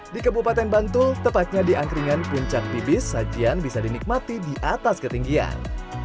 di kebupaten bantul tepatnya di angkringan puncak pibis sajian bisa dinikmati di atas ketinggian